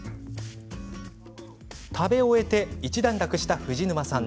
食べ終えて一段落した藤沼さん。